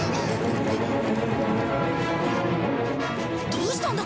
どうしたんだ？